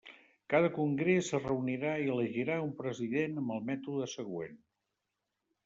Cada congrés es reunirà i elegirà un president amb el mètode següent.